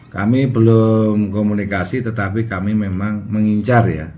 kami belum komunikasi tetapi kami memang mengincar ya